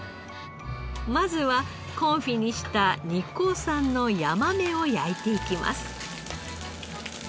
まずはコンフィにした日光産のヤマメを焼いていきます。